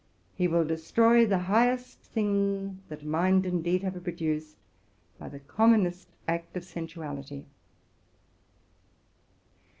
He will destroy the highest that mind and deed have produced, by the commonest act of sensuality.